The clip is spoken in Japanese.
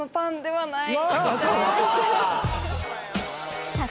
はい。